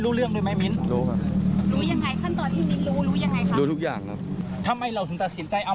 แจ๊บต้องทำคนเดียวไหมแจ๊บต้องทำคนเดียวไหมแจ๊บต้องทำคนเดียวไหม